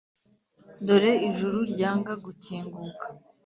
dore ijuru ryanga gukinguka;